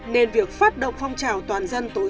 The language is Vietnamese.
nên việc phát động phong trào toàn dân tối gian